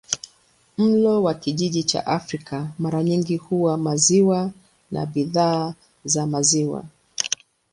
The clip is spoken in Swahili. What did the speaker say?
Mlo wa kijiji cha Afrika mara nyingi huwa maziwa na bidhaa za maziwa.